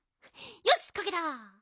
よしかけた！